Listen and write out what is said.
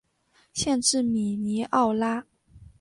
县治米尼奥拉。